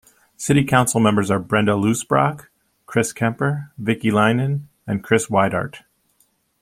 City council members are Brenda Loosbrock, Chris Kemper, Vickie Leinen, and Kris Weidert.